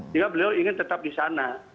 jadi beliau ingin tetap di sana